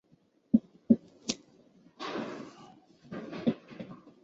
罗德岛州机场公司在机场东面接近消防局的位置拥有几幢住宅。